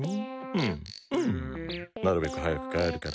うんうんなるべくはやくかえるから。